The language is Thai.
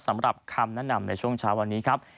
สำหรับคำแนะนำในช่วงเช้าวันนี้ครับ